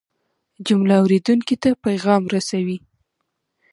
جمله اورېدونکي ته پیغام رسوي.